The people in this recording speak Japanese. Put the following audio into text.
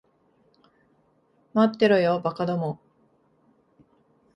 待ってろよ、馬鹿ども。